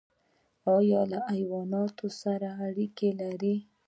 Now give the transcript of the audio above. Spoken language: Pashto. ایا له حیواناتو سره اړیکه لرئ؟